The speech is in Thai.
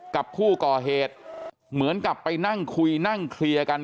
กับผู้ก่อเหตุเหมือนกับไปนั่งคุยนั่งเคลียร์กัน